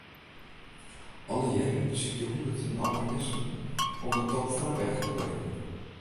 Alle jierren besykje hûnderten alpinisten om de top fan 'e berch te berikken.